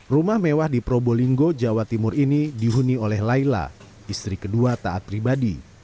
rumah mewah di probolinggo jawa timur ini dihuni oleh laila istri kedua taat pribadi